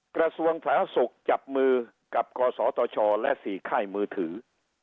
กระทรวงฝาศุกร์จับมือกับกศและ๔ค่ายมือถือ